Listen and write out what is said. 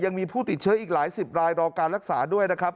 ยังมีผู้ติดเชื้ออีกหลายสิบรายรอการรักษาด้วยนะครับ